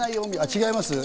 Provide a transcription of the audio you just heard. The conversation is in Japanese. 違いますね。